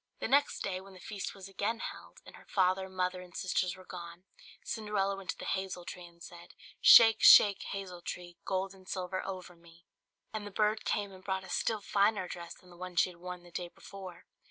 The next day, when the feast was again held, and her father, mother, and sisters were gone, Cinderella went to the hazel tree, and said "Shake, shake, hazel tree, Gold and silver over me!" And the bird came and brought a still finer dress than the one she had worn the day before.